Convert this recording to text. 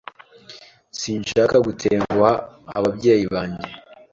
Sinshaka gutenguha ababyeyi banjye